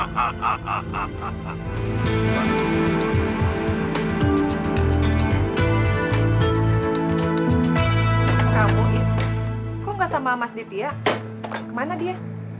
kamu kok nggak sama mas ditia kemana dia